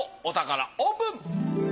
お宝オープン！